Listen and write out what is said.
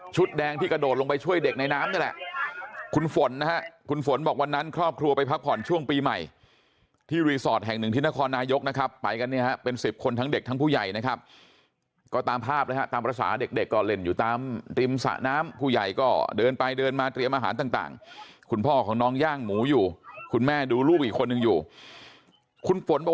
ชุดแดงที่กระโดดลงไปช่วยเด็กในน้ำนี่แหละคุณฝนนะฮะคุณฝนบอกวันนั้นครอบครัวไปพักผ่อนช่วงปีใหม่ที่รีสอร์ทแห่งหนึ่งทินครนายกนะครับไปกันเนี้ยฮะเป็นสิบคนทั้งเด็กทั้งผู้ใหญ่นะครับก็ตามภาพเลยฮะตามประสาทเด็กเด็กก็เล่นอยู่ตามติมสะน้ำผู้ใหญ่ก็เดินไปเดินมาเตรียมอาหารต่างต่างคุณพ